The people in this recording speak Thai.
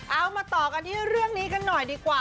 เอามาต่อกันที่เรื่องนี้กันหน่อยดีกว่า